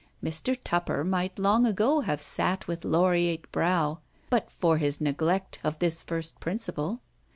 Mr Tupper might long ago have sat with laureate brow but for his neglect of this first principle.